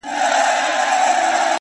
لکه باران اوس د هيندارو له کوڅې وځم”